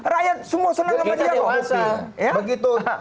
rakyat semua senang sama dialog